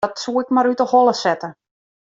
Dat soe ik mar út 'e holle sette.